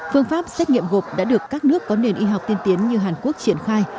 phương pháp xét nghiệm gộp đã được các nước có nền y học tiên tiến như hàn quốc triển khai